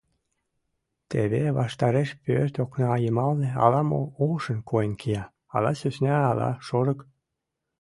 Теве ваштареш пӧрт окна йымалне ала-мо ошын койын кия: ала сӧсна, ала шорык.